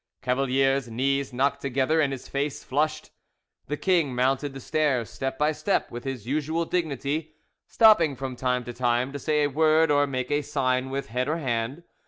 Cavalier's knees knocked together and his face flushed. The king mounted the stairs step by step with his usual dignity, stopping from time to time to say a word or make a sign with head or hand.